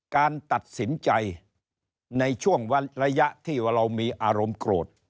การตัดสินใจในช่วงระยะที่ว่าเรามีอารมณ์โกรธ